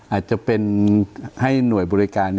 อาจจะเป็นให้หน่วยบริการ